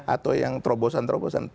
atau yang terobosan terobosan